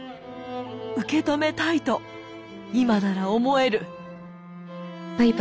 受け止めたいと今なら思える」。